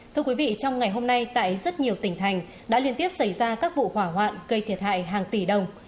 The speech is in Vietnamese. thưa quý vị trong ngày hôm nay tại rất nhiều tỉnh thành đã liên tiếp xảy ra các vụ hỏa hoạn gây thiệt hại hàng tỷ đồng